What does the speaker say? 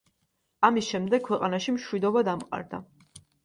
ამის შემდეგ ქვეყანაში მშვიდობა დამყარდა.